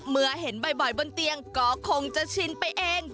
เมื่อเห็นบ่อยบนเตียงก็คงจะชินไปเอง